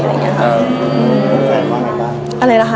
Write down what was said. อะไรอย่างนี้ค่ะ